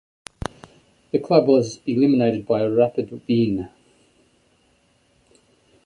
The club was eliminated by Rapid Wien.